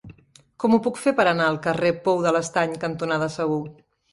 Com ho puc fer per anar al carrer Pou de l'Estany cantonada Segur?